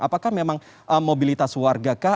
apakah memang mobilitas warga kah